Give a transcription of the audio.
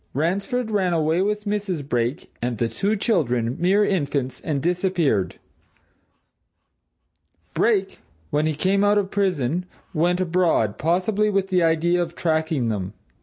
Ransford ran away with Mrs. Brake and the two children mere infants and disappeared. Brake, when he came out of prison, went abroad possibly with the idea of tracking them.